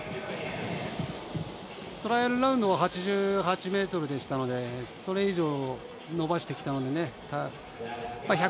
トライアルラウンドは８８ｍでしたのでそれ以上伸ばしてきたのでね。